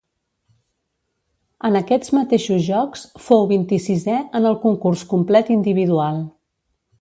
En aquests mateixos Jocs fou vint-i-sisè en el concurs complet individual.